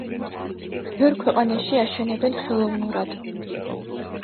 ბევრ ქვეყანაში აშენებენ ხელოვნურად.